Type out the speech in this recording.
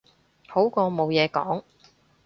好過冇嘢講